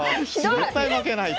絶対負けないと。